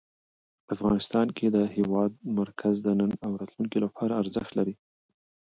افغانستان کې د هېواد مرکز د نن او راتلونکي لپاره ارزښت لري.